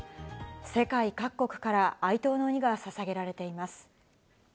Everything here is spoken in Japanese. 世界各国から哀悼の意がささげられています。